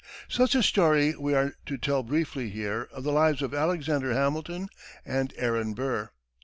Such a story we are to tell briefly here of the lives of Alexander Hamilton and Aaron Burr.